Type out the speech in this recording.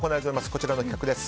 こちらの企画です。